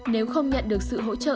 nếu không nhận được sự hỗ trợ